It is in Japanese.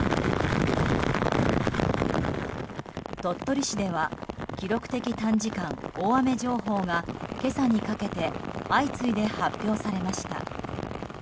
鳥取市では記録的短時間大雨情報が今朝にかけて相次いで発表されました。